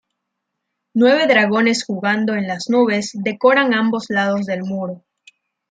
Nueve dragones jugando en las nubes decoran ambos lados del muro.